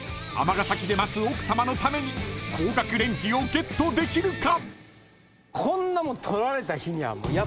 尼崎で待つ奥さまのために高額レンジをゲットできるか？］